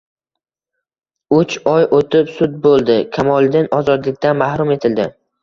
Uch oy o`tib sud bo`ldi, Kamoliddin ozodlikdan mahrum etildi